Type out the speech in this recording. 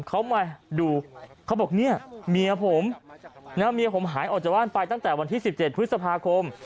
เขามาดูเขาบอกเนี่ยเมียผมเมียผมหายออกจากบ้านไปตั้งแต่วันที่๑๗พฤษภาคม